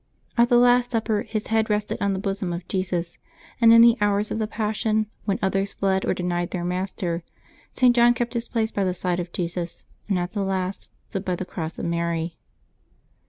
At the Last Supper his head rested on the bosom of Jesus, and in the hours of the Passion, when others fled or denied their Master, St. John kept his place by the side of Jesus, and at the last stood by the cross with Mary.